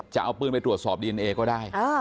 จะเอาปืนไปตรวจสอบดีเอนเอก็ได้